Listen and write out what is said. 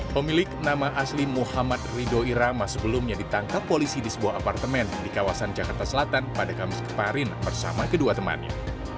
pemilik nama asli muhammad rido irama sebelumnya ditangkap polisi di sebuah apartemen di kawasan jakarta selatan pada kamis kemarin bersama kedua temannya